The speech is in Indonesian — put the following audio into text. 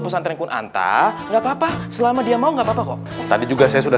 pesantren kunanta nggak papa selama dia mau nggak papa kok tadi juga saya sudah